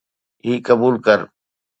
هي قبول ڪر.